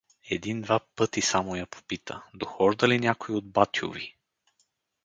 Един-два пъти само я попита: — Дохожда ли някой от батюви?